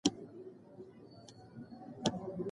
د قمرۍ لپاره د ځالۍ جوړول ډېر ګران کار و.